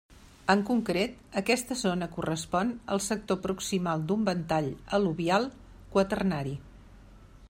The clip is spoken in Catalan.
En concret, aquesta zona correspon al sector proximal d'un ventall al·luvial quaternari.